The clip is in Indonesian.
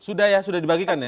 sudah ya sudah dibagikan ya